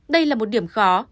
đây là một điểm khó